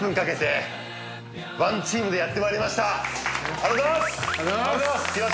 ありがとうございます！